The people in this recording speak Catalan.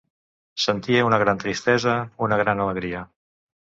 Sentia una gran tristesa, una gran alegria.